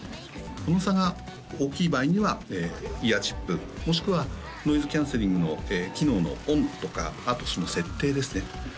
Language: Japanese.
この差が大きい場合にはイヤーチップもしくはノイズキャンセリングの機能のオンとかあとその設定ですね